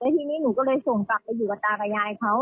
ทีนี้หนูก็เลยส่งกลับไปอยู่กับตากับยายเขา